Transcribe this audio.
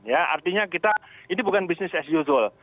ya artinya kita ini bukan bisnis as usual